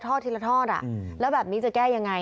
ทีละทอดแล้วแบบนี้จะแก้ยังไง